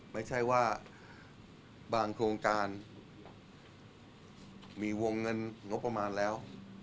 ไม่ใช่ว่าบางโครงการมีวงเงินงบประมาณแล้ว